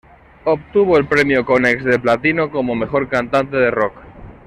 Obtuvo el Premio Konex de Platino como Mejor Cantante de Rock.